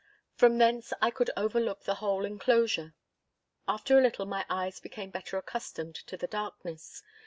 From thence I could overlook the whole enclosure. After a little my eyes became better accustomed to the darkness.